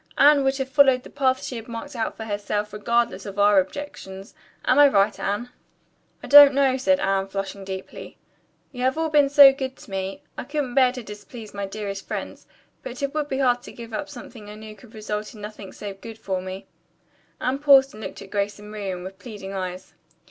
"Anne would have followed the path she had marked out for herself regardless of our objections. Am I right, Anne?" "I don't know," said Anne, flushing deeply. "You have all been so good to me. I couldn't bear to displease my dearest friends, but it would be hard to give up something I knew could result in nothing save good for me." Anne paused and looked at Grace and Miriam with pleading eyes.